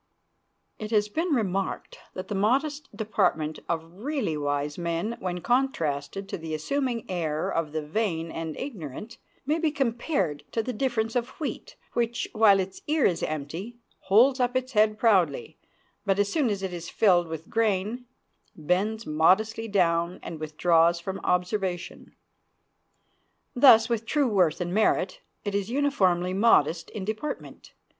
] It has been remarked that the modest deportment of really wise men, when contrasted to the assuming air of the vain and ignorant, may be compared to the difference of wheat, which, while its ear is empty, holds up its head proudly, but as soon as it is filled with grain bends modestly down and withdraws from observation. Thus with true worth and merit: it is uniformly modest in deportment.